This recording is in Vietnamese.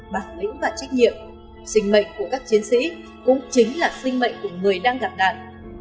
bản lĩnh và trách nhiệm sinh mệnh của các chiến sĩ cũng chính là sinh mệnh của người đang gặp nạn